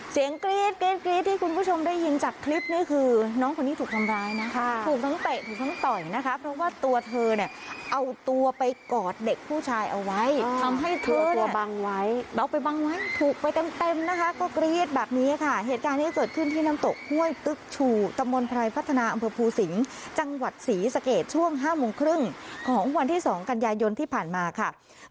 เสียงกรี๊ดกรี๊ดที่คุณผู้ชมได้ยินจากคลิปนี้คือน้องคนนี้ถูกทำร้ายนะค่ะถูกทั้งเตะถูกทั้งต่อยนะครับเพราะว่าตัวเธอเนี่ยเอาตัวไปกอดเด็กผู้ชายเอาไว้ทำให้ตัวตัวบังไว้แล้วไปบังไว้ถูกไปเต็มนะคะก็กรี๊ดแบบนี้ค่ะเหตุการณ์ที่เกิดขึ้นที่น้ำตกห้วยตึกชูนะครับตัวเธอเนี่ยเอาตัวไปกอดเด็ก